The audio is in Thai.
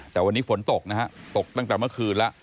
แต่วันนี้ฝนตกนะฮะตกตั้งแต่เมื่อคืนแล้ว